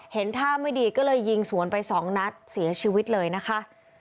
เห็นท่าไม่ดีก็เลยยิงสวนไปสองนัดเสียชีวิตเลยนะคะ